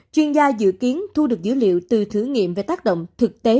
chuyên gia dự kiến thu được dữ liệu từ thử nghiệm về tác động thực tế